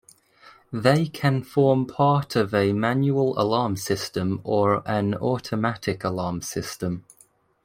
They can form part of a manual alarm system or an automatic alarm system.